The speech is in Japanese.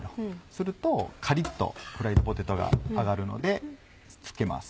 するとカリっとフライドポテトが揚がるので漬けます。